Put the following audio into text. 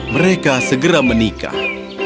mereka segera menikah